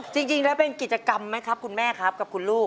จริงแล้วเป็นกิจกรรมไหมครับคุณแม่ครับกับคุณลูก